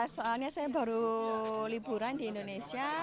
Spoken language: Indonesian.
soalnya saya baru liburan di indonesia